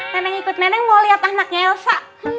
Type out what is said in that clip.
neneng ikut neneng mau lihat anaknya elsa